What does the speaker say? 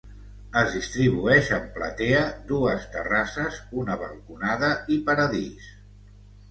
Es distribueix en platea, dues terrasses, una balconada i paradís.